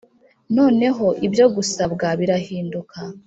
noneho ibyo gusabwa birahinduka